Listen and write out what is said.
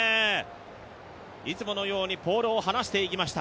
いつものようにポールを離していきました。